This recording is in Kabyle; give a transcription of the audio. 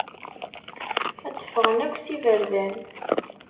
Ad d-ffɣen akk s iberdan.